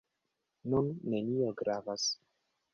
Nun nenio gravas.